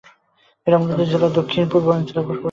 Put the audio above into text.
এঁরা মূলত জেলার দক্ষি-পূর্বাঞ্চলে বাস করেন।